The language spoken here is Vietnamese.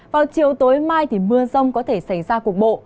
vào chiều tối mai thì mưa rông có thể xảy ra cục bộ